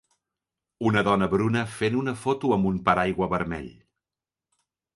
Una dona bruna fent una foto amb un paraigua vermell